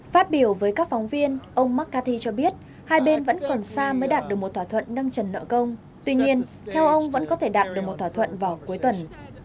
phát biểu với các phóng viên ông mccarthy cho biết hai bên vẫn còn xa mới đạt được một thỏa thuận nâng trần nợ công tuy nhiên theo ông vẫn có thể đạt được một thỏa thuận vào cuối tuần